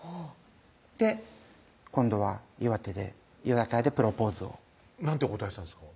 って今度は岩手で居酒屋でプロポーズを何てお答えしたんですか？